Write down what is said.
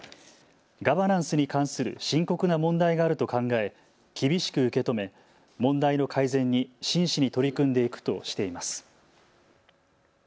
ガバナンスに関する深刻な問題があると考え厳しく受け止め問題の改善に真摯に取り組んでいくとしています。